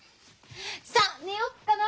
さあ寝よっかな！